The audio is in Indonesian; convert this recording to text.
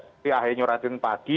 jadi ahy nyuratin pagi